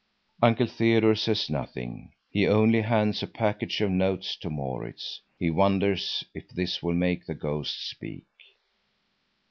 Uncle Theodore says nothing; he only hands a package of notes to Maurits. He wonders if this will make the ghost speak.